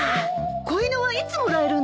子犬はいつもらえるんだ？